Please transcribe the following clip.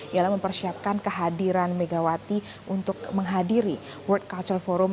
ialah mempersiapkan kehadiran megawati untuk menghadiri world culture forum